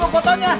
ceng mau fotonya